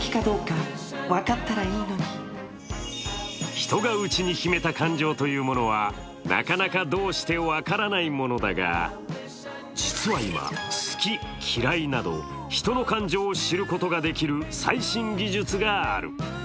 人がうちに秘めた感情というものは、なかなかどうして分からないものだが、実は今、好き嫌いなど人の感情を知ることができる最新技術がある。